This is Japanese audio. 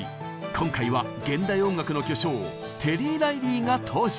今回は現代音楽の巨匠テリー・ライリーが登場。